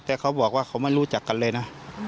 แต่เขาบอกว่าเขาไม่รู้จักกันเลยนะ